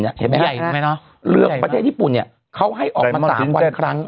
เห็นไหมไงใช่ไหมเนอะเรือประเทศญี่ปุ่นเนี้ยเขาให้ออกมาสามวันครั้ง